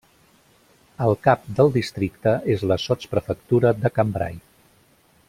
El cap del districte és la sotsprefectura de Cambrai.